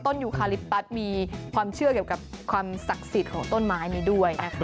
ยูคาลิปตัสมีความเชื่อเกี่ยวกับความศักดิ์สิทธิ์ของต้นไม้นี้ด้วยนะคะ